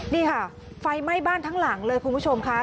นี่ค่ะไฟไหม้บ้านทั้งหลังเลยคุณผู้ชมค่ะ